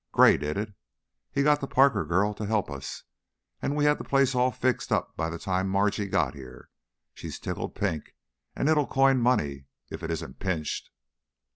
"Gray did it. He got the Parker girl to help us, and we had the place all fixed up by the time Margie got here. She's tickled pink, and it'll coin money if it isn't pinched."